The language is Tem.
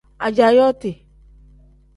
Ajaa yooti.